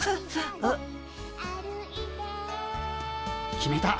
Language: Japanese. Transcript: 決めた。